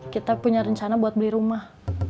kita punya rencana buat beli rumah